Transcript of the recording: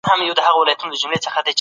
بهرني پورونه څنګه اخیستل کېږي؟